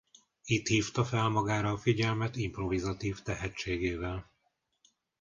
Itt hívta fel magára a figyelmet improvizatív tehetségével.